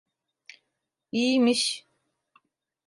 İyimiş.